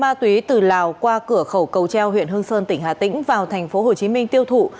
má túy từ lào qua cửa khẩu cầu treo huyện hương sơn tỉnh hà tĩnh vào thành phố hồ chí minh tiêu thụ